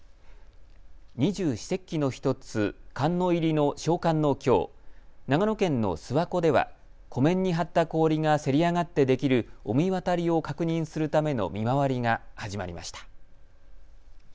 二十四節気の１つ、寒の入りの小寒のきょう、長野県の諏訪湖では湖面に張った氷がせり上がってできる御神渡りを確認するための見回りが始まりました。